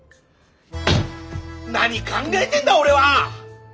何考えてんだおれは！